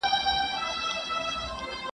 دوې میاشتي مو وتلي دي ریشتیا په کرنتین کي-